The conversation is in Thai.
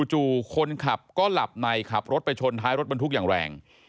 จู่คนขับก็หลับในขับรถไปชนท้ายรถบรรทุกอย่างแรง